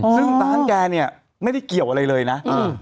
ซึ่งร้านแกเนี่ยไม่ได้เกี่ยวอะไรเลยนะ